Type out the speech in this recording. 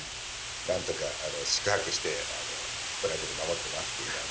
なんとか四苦八苦してプライベート守ってますっていう感じ。